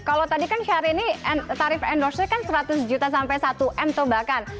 kalau tadi kan syahrini tarif endorse nya kan seratus juta sampai satu m atau bahkan